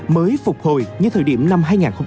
mới phục hồi như thời điểm năm hai nghìn một mươi chín